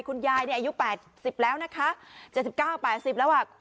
คุณยายอายุ๘๐แล้วนะคะ๗๙๘๐แล้วอ่ะ